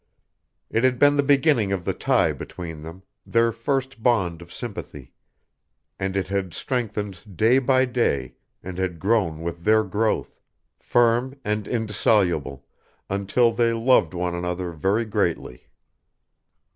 It had been the beginning of the tie between them, their first bond of sympathy; and it had strengthened day by day, and had grown with their growth, firm and indissoluble, until they loved one another very greatly.